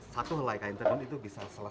satu helai kain tenun itu bisa selesai berapa lama